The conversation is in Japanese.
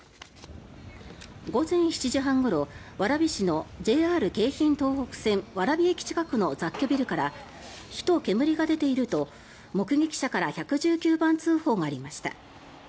午前７時半ごろ蕨市のＪＲ京浜東北線蕨駅近くの雑居ビルから火と煙が出ていると目撃者から１１０番通報がありました。